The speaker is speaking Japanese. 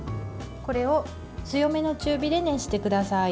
これを強めの中火で熱してください。